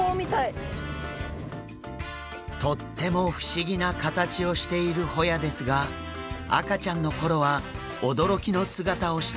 とっても不思議な形をしているホヤですが赤ちゃんの頃は驚きの姿をしているんです。